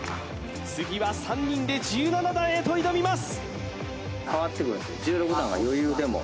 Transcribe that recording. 次は３人で１７段へと挑みます